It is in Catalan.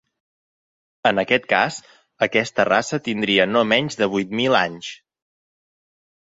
En aquest cas, aquesta raça tindria no menys de vuit mil anys.